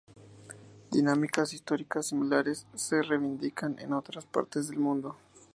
Dinámicas históricas similares se reivindican en otras partes del mundo.